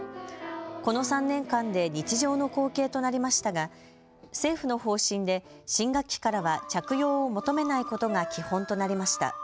この３年間で日常の光景となりましたが政府の方針で新学期からは着用を求めないことが基本となりました。